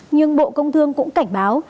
nhưng bộ công thương cũng cảnh báo